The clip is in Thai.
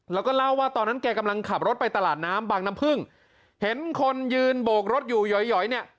แล้วก็เล่าว่าตอนนั้นแกกำลังขับรถไปตลาดน้ำบางน้ำพึ่งเห็นคนยืนโบกรถอยู่หย่อยหอยเนี่ย